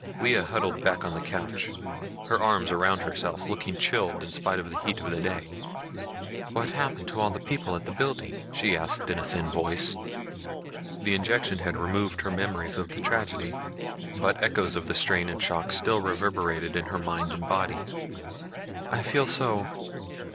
Lea huddled back on the couch, her arms around herself, looking chilled in spite of the heat of the day. "What happened to the people at the building?" she asked in a thin voice. The injection had removed her memories of the tragedy, but echoes of the strain and shock still reverberated in her mind and body. "I feel so